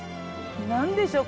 何でしょう？